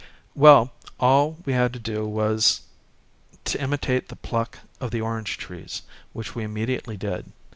Well, all we had to do was to imitate the pluck of the orange trees, which we immediately did.